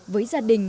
với gia đình